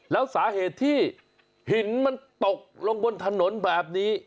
แล้วสาเหตุที่หินมันตกลงบนถนนแบบนี้